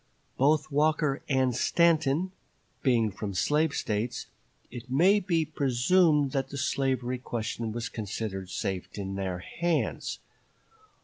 Both Walker and Stanton being from slave States, it may be presumed that the slavery question was considered safe in their hands.